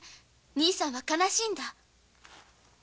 兄さんは悲しいんだ？